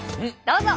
どうぞ。